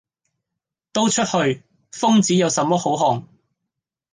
「都出去！瘋子有什麼好看！」